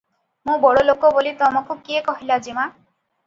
"ମୁଁ ବଡ଼ଲୋକ ବୋଲି ତମକୁ କିଏ କହିଲା ଯେମା?"